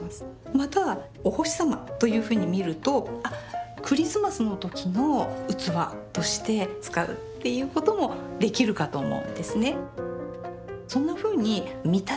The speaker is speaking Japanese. またはお星様というふうに見るとあっクリスマスの時の器として使うっていうこともできるかと思うんですね。